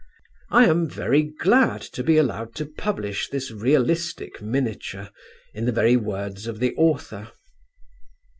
I am very glad to be allowed to publish this realistic miniature, in the very words of the author.